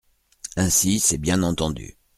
Ainsi, c’est bien entendu…